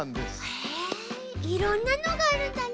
へえいろんなのがあるんだね。